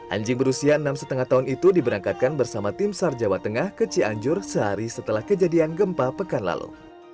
anjing berusia enam lima tahun itu diberangkatkan bersama tim sar jawa tengah ke cianjur sehari setelah kejadian gempa pekan lalu